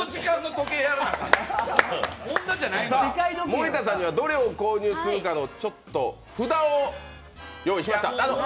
森田さんにはどれを購入するかの札を用意いたしました。